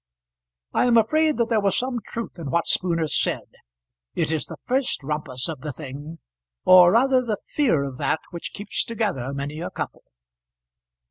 I am afraid that there was some truth in what Spooner said. It is the first rumpus of the thing, or rather the fear of that, which keeps together many a couple.